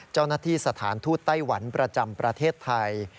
เจ้าหน้าที่สถานทูตไต้หวันประจำประเทศไทย